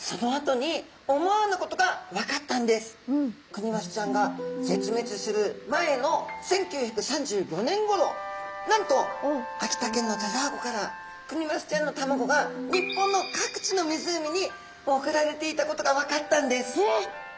クニマスちゃんが絶滅する前の１９３５年ごろなんと秋田県の田沢湖からクニマスちゃんの卵が日本の各地の湖に送られていたことが分かったんです。